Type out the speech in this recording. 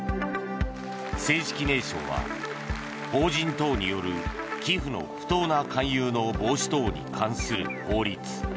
正式名称は法人等による寄付の不当な勧誘の防止等に関する法律。